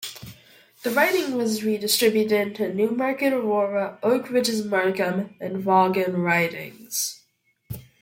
The riding was redistributed into Newmarket-Aurora, Oak Ridges-Markham, and Vaughan ridings.